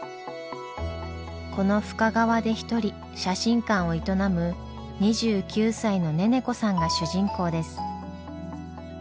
この深川で一人写真館を営む２９歳のネネコさんが主人公です。